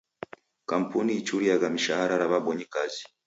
Kampuni ichuriagha mishara ra w'abonyi kazi.